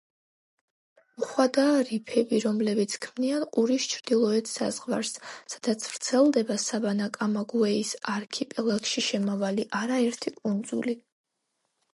უხვადაა რიფები, რომლებიც ქმნიან ყურის ჩრდილოეთ საზღვარს, სადაც ვრცელდება საბანა-კამაგუეის არქიპელაგში შემავალი არაერთი კუნძული.